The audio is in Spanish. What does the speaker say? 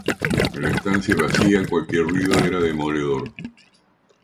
En la estancia vacía cualquier ruido era demoledor